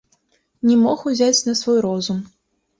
Не мог узяць на свой розум.